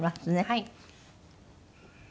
はい。